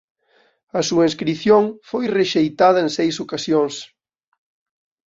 A súa inscrición foi rexeitada en seis ocasións.